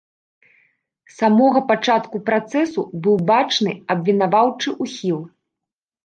З самога пачатку працэсу быў бачны абвінаваўчы ўхіл.